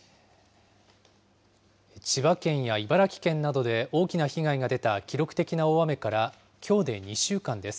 千葉県や茨城県などで大きな被害が出た記録的な大雨からきょうで２週間です。